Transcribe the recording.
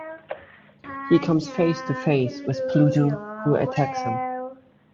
He comes face to face with Pluto, who attacks him.